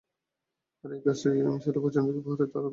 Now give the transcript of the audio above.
আর এই গাছটি ছিল পশ্চিমদিকের পাহাড়ে তাঁর ডানদিকে।